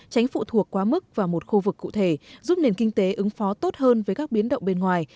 tránh phụ thuộc quá mức vào một khu vực cụ thể giúp nền kinh tế ứng phó tốt hơn với các biến động bên ngoài